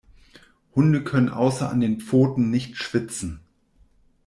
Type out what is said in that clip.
Hunde können außer an den Pfoten nicht schwitzen.